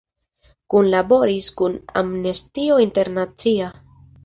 Kunlaboris kun Amnestio Internacia.